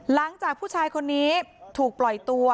หลังจากผู้ชายคนนี้ถูกปล่อยตัว